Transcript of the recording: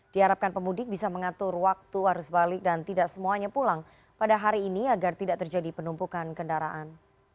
diharapkan pemudik bisa mengatur waktu arus balik dan tidak semuanya pulang pada hari ini agar tidak terjadi penumpukan kendaraan